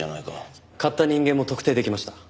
買った人間も特定できました。